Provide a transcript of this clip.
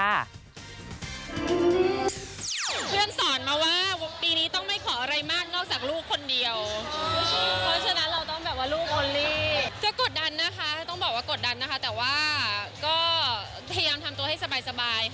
แต่เห็นนั่งบอกไว้ว่าสองเดือนค่ะจริงพี่หนุ่มเขาก็ไม่ได้เป็นคนโหดร้ายเลยนะคะ